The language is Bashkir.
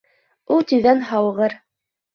Ул тиҙҙән һауығыр